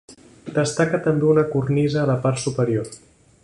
Destaca també una cornisa a la part superior.